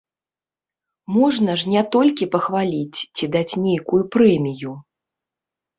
Можна ж не толькі пахваліць ці даць нейкую прэмію.